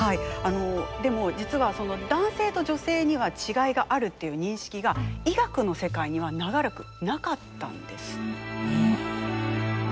でも実は男性と女性には違いがあるという認識が医学の世界には長らくなかったんです。